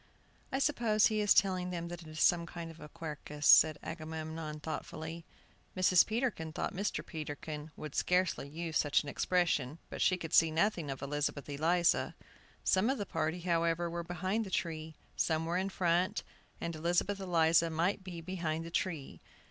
"I suppose he is telling them that it is some kind of a 'Quercus,'" said Agamemnon, thoughtfully. Mrs. Peterkin thought Mr. Peterkin would scarcely use such an expression, but she could see nothing of Elizabeth Eliza. Some of the party, however, were behind the tree, some were in front, and Elizabeth Eliza might be behind the tree.